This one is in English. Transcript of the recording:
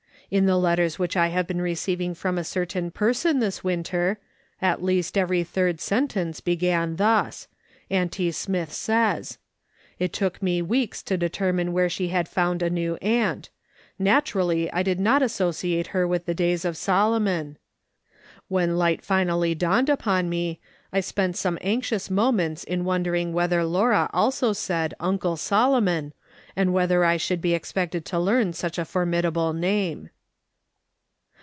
In the letters which I have been receiving from a certain person this winter, at least every tliird sentence began thus :' Auntie Smith says.' It took me weeks to determine where she had found a new aunt ; naturally I did not associate her with the days of Solomon. When light finally dawned upon me, I spent some anxious moments in wondering whether Laura also said ' L^ncle Solomon' and whether I should be expected to learn such a formidable name."